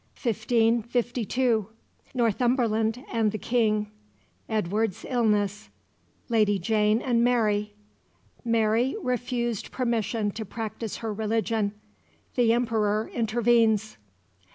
G.] CHAPTER XIII 1552 Northumberland and the King Edward's illness Lady Jane and Mary Mary refused permission to practise her religion The Emperor intervenes.